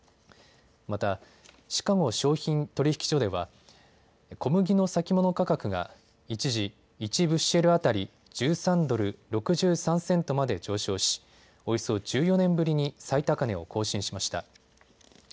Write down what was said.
またシカゴ商品取引所では小麦の先物価格が一時、１ブッシェル当たり１３ドル６３セントまで上昇しおよそ１４年ぶりに最高値を更新しました。